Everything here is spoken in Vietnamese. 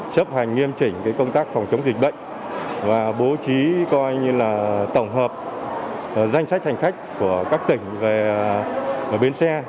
chấp hành nghiêm chỉnh công tác phòng chống dịch bệnh và bố trí tổng hợp danh sách hành khách của các tỉnh về bến xe